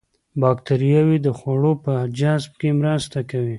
باکتریاوې د خوړو په جذب کې مرسته کوي.